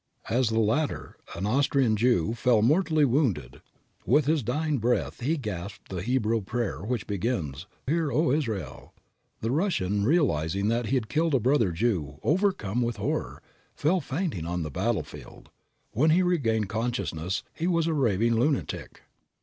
As the latter, an Austrian Jew, fell mortally wounded, with his dying breath he gasped the Hebrew prayer, which begins, "Hear, O Israel." The Russian, realizing that he had killed a brother Jew, overcome with horror, fell fainting on the battlefield. When he regained consciousness he was a raving lunatic.